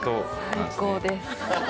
最高です。